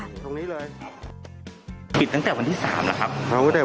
ตรงนี้เลย